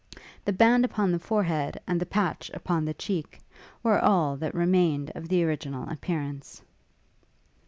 The band upon the forehead, and the patch upon the cheek, were all that remained of the original appearance.